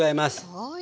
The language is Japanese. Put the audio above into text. はい。